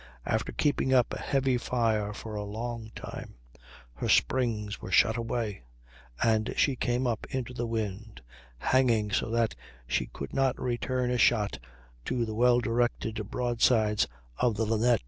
After keeping up a heavy fire for a long time her springs were shot away, and she came up into the wind, hanging so that she could not return a shot to the well directed broadsides of the Linnet.